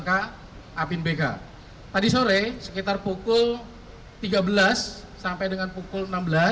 tadi sore sekitar pukul tiga belas sampai dengan pukul enam belas